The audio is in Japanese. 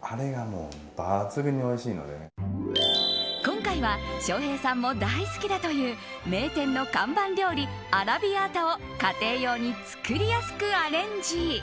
今回は翔平さんも大好きだという名店の看板料理アラビアータを家庭用に作りやすくアレンジ。